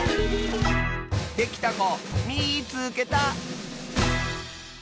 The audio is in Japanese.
できたこみいつけた！